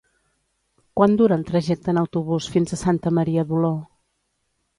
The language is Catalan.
Quant dura el trajecte en autobús fins a Santa Maria d'Oló?